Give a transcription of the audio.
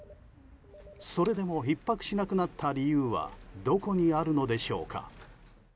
それでもひっ迫しなくなった理由はどこにあるのでしょうか。